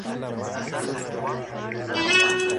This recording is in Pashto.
هغه په کوڅې کي روان دی.